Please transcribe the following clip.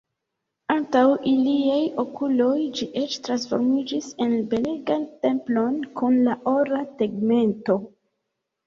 Antaŭ iliaj okuloj ĝi eĉ transformiĝis en belegan templon kun la ora tegmento.